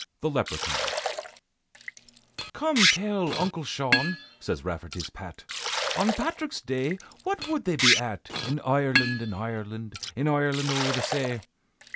THE LEPRECHAUN "Come tell, Uncle Shaun," says Rafferty's Pat, "On Patrick's Day what would they be at In Ireland, in Ireland, In Ireland o'er the say?